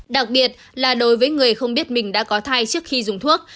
đặc biệt là đối với người không biết mình đã có thai trước khi dùng thuốc